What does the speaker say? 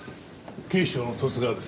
警視庁の十津川です。